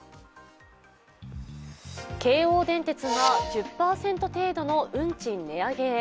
京王電鉄が１０％程度の運賃値上げへ。